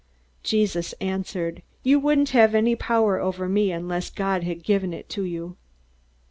Jesus answered, "You wouldn't have any power over me unless God had given it to you."